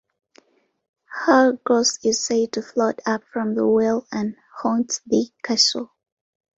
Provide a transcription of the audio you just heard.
Her ghost is said to float up from the well and haunts the castle.